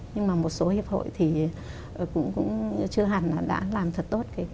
nhưng mà một số hiệp hội thì cũng chưa hẳn là đã làm thật tốt